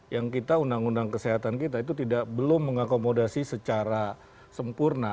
yang kita undang undang kesehatan kita itu belum mengakomodasi secara sempurna